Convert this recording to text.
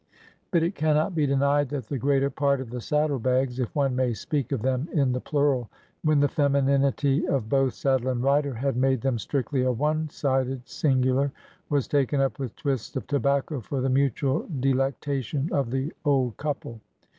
But it cannot be denied that the greater part of the saddle bags— if one may speak of them in the plural when the femininity of both saddle and rider had made them strictly a one sided singular— was taken up with twists of tobacco for the mutual delectation of the old couple.